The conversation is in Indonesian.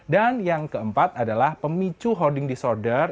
dan yang keempat adalah pemicu hoarding disorder